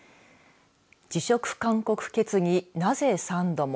辞職勧告決議、なぜ３度も？